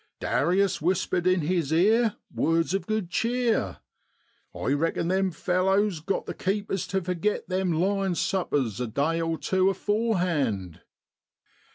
Darius whispered in his ear words of good cheer. I reckon them fellows got the keepers tu forget them lions' suppers a day or tew aforehand.